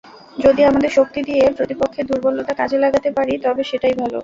যদি আমাদের শক্তি দিয়ে প্রতিপক্ষের দুর্বলতা কাজে লাগাতে পারি, তবে সেটাই ভালো।